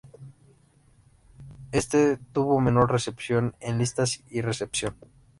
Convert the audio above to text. Este tuvo menor recepción en listas y en recepción.